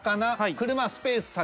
車スペース魚。